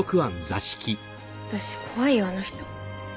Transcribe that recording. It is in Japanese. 私怖いよあの人。